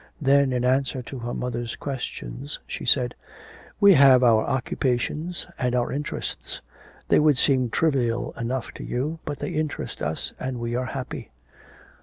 Then in answer to her mother's questions, she said: 'We have our occupations and our interests. They would seem trivial enough to you, but they interest us and we are happy.'